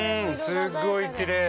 すごいきれい！